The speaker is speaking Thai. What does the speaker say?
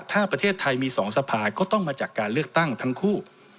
ถ้าประเทศไทยมี๒สภาก็ต้องมาจากการเลือกตั้งทั้งคู่